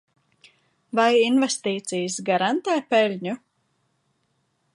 Vai investīcijas garantē peļņu?